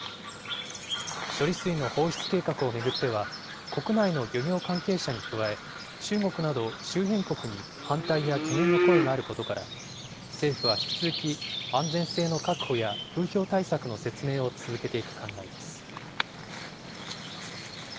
処理水の放出計画を巡っては、国内の漁業関係者に加え、中国など周辺国に反対や懸念の声があることから、政府は引き続き安全性の確保や風評対策の説明を続けていく考えです。